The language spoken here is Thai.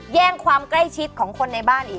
แย่งความใกล้ชิดของคนในบ้านอีก